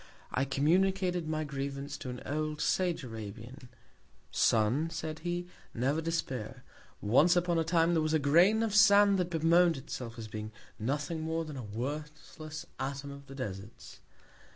I communicated my Grievance to an old Sage Arabian. Son, said he, never despair; once upon a Time, there was a Grain of Sand, that bemoan'd itself, as being nothing more than a worthless Atom of the Deserts.